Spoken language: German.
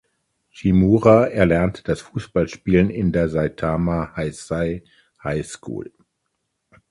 Shimura erlernte das Fußballspielen in der "Saitama Heisei High School".